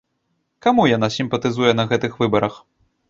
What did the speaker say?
Каму яна сімпатызуе на гэтых выбарах?